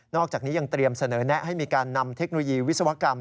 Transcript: อกจากนี้ยังเตรียมเสนอแนะให้มีการนำเทคโนโลยีวิศวกรรม